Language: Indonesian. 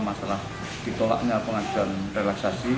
masalah ditolaknya pengajian relaksasi